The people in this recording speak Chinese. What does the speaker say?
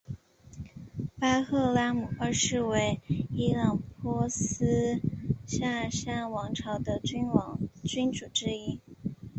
巴赫拉姆二世为伊朗波斯萨珊王朝的君主之一。